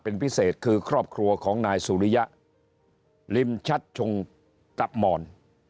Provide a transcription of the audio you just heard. เป็นพิเศษคือครอบครัวของนายสุริยะริมชัดชงตะมอน